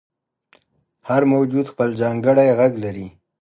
• هر موجود خپل ځانګړی ږغ لري.